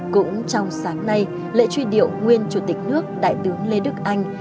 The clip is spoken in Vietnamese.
cũng trong sáng nay lễ truy điệu nguyên chủ tịch nước đại tướng lê đức anh